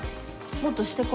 もっとしてこ。